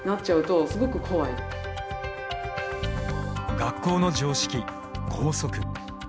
学校の常識・校則。